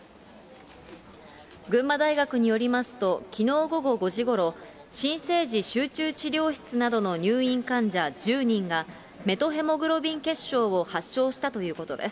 群馬大学によりますと、きのう午後５時ごろ、新生児集中治療室などの入院患者１０人が、メトヘモグロビン血症を発症したということです。